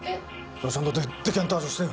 それはちゃんとデカンタージュして。